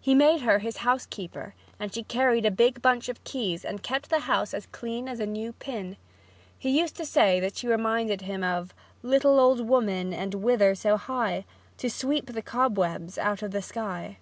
He made her his housekeeper and she carried a big bunch of keys and kept the house as clean as a new pin. He used to say she reminded him of: "Little old woman and whither so high? To sweep the cobwebs out of the sky."